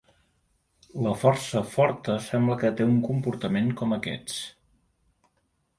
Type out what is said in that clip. La força forta sembla que té un comportament com aquests.